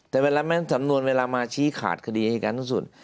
แต่สำนวนเวลามาชี้ขาดคดีอาหารทั้งสุด